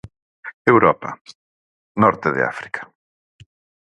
Europa, norte de África.